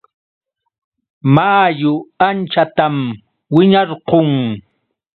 Mayu anchatam wiñarqun.